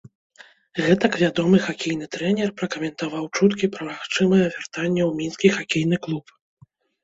Гэтак вядомы хакейны трэнер пракаментаваў чуткі пра магчымае вяртанне ў мінскі хакейны клуб.